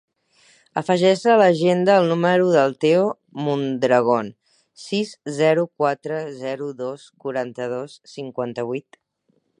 Afegeix a l'agenda el número del Teo Mondragon: sis, zero, quatre, zero, dos, quaranta-dos, cinquanta-vuit.